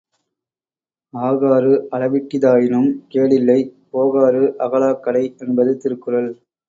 ஆகாறு அளவிட்டி தாயினும் கேடில்லை போகாறு அகலாக் கடை என்பது திருக்குறள்.